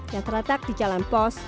yang terletak di jalan pos